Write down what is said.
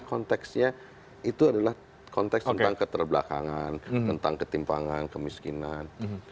konteksnya itu adalah konteks tentang keterbelakangan tentang ketimpangan kemiskinan